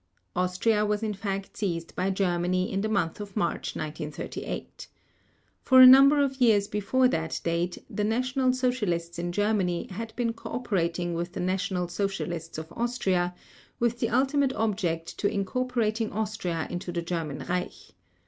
Austria was in fact seized by Germany in the month of March 1938. For a number of years before that date, the National Socialists in Germany had been cooperating with the National Socialists of Austria with the ultimate object of incorporating Austria into the German Reich.